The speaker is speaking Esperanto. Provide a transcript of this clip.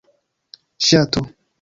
ŝato